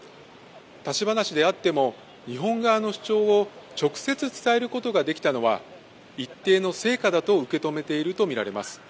立ち話であっても日本側の主張を直接伝えることができたのは一定の成果だと受け止めているとみられます。